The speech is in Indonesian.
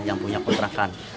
yang punya kontrakan